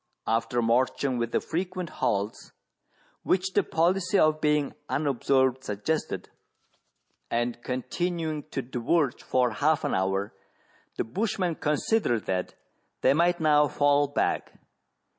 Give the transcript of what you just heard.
After marching with the frequent halts which the policy of being unobserved suggested, and continuing to diverge for half an hour, the bushman considered that they might now fall back.